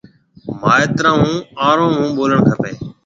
مائيترون هون آروم هون ٻولڻ کپيَ۔